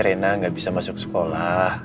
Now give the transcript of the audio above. rena nggak bisa masuk sekolah